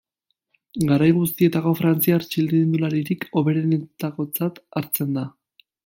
Garai guztietako frantziar txirrindularirik hoberenetakotzat hartzen da.